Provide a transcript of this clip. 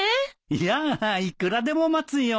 いやあいくらでも待つよ。